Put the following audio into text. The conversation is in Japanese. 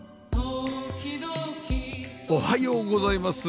おはようございます。